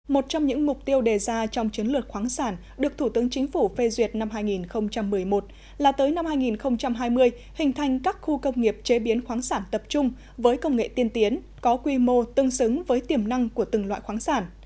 một trong những mục tiêu đề ra trong chiến lược khoáng sản được thủ tướng chính phủ phê duyệt năm hai nghìn một mươi một là tới năm hai nghìn hai mươi hình thành các khu công nghiệp chế biến khoáng sản tập trung với công nghệ tiên tiến có quy mô tương xứng với tiềm năng của từng loại khoáng sản